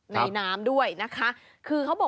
ในน้ำด้วยนะคะ